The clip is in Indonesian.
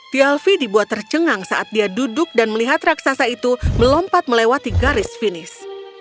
tialfi dibuat tercengang saat dia duduk dan melihat raksasa itu melompat melewati garis finish